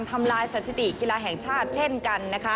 ทำลายสถิติกีฬาแห่งชาติเช่นกันนะคะ